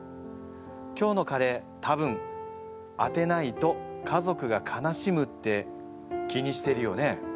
今日のカレー多分当てないと家族が悲しむって気にしてるよね。